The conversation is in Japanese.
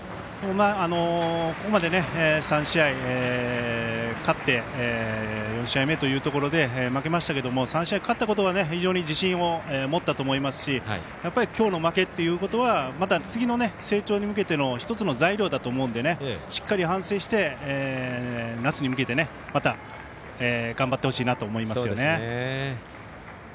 ここまで３試合、勝って４試合目というところで負けましたけども３試合勝ったということが非常に自信を持ったと思いますしきょうの負けということは次の成長に向けての１つの材料だと思うのでしっかり反省して夏に向けて、また頑張ってほしいなと思いますね。